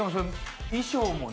衣装もね。